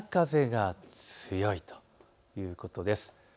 北風が強いということです。